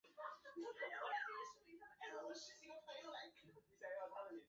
用于静滴的包装也可经口服用。